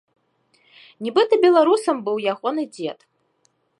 Нібыта беларусам быў ягоны дзед.